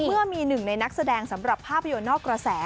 เมื่อมีหนึ่งในนักแสดงสำหรับภาพยนตร์นอกกระแส